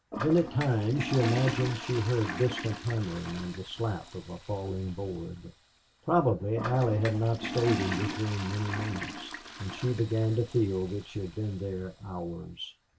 Then at times she imagined she heard distant hammering and the slap of a falling board. Probably Allie had not stayed in this room many moments when she began to feel that she had been there hours.